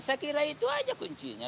saya kira itu aja kuncinya